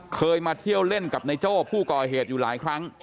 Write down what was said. เคยมาเที่ยวเล่นกับนายโจ้ผู้ก่อเหตุอยู่หลายครั้ง